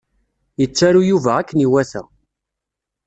Yettaru Yuba akken iwata.